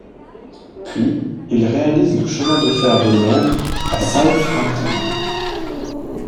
Puis ils réalisent le chemin de fer de Londres à Southampton.